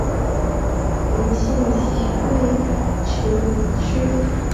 原县级贵池市改设贵池区。